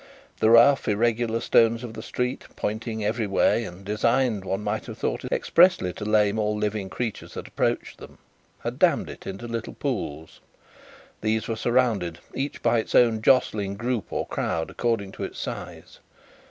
The rough, irregular stones of the street, pointing every way, and designed, one might have thought, expressly to lame all living creatures that approached them, had dammed it into little pools; these were surrounded, each by its own jostling group or crowd, according to its size.